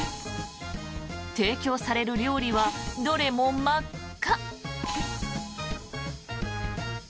提供される料理はどれも真っ赤。